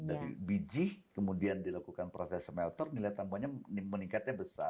dari biji kemudian dilakukan proses smelter nilai tambahnya meningkatnya besar